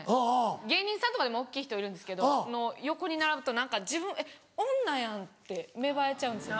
芸人さんとかでも大っきい人いるんですけど横に並ぶと何か「自分女やん」って芽生えちゃうんですよ。